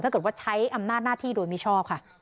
บอกว่าใช้อำนาจหน้าที่โดยมิชอบค่ะ